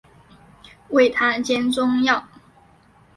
为她煎中药